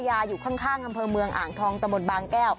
อ่านทองตะบทบัง